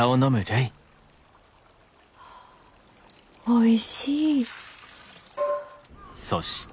あおいしい。